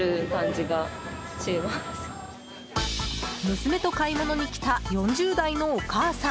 娘と買い物に来た４０代のお母さん。